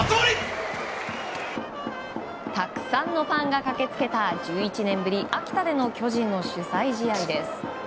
たくさんのファンが駆け付けた１１年ぶり、秋田での巨人の主催試合です。